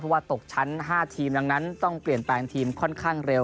เพราะว่าตกชั้น๕ทีมที่ต้องเปลี่ยนแปลงทีมค่อนข้างเร็ว